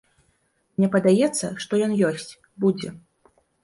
Мне падаецца, што ён ёсць, будзе.